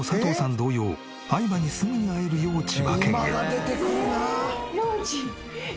同様愛馬にすぐに会えるよう千葉県へ。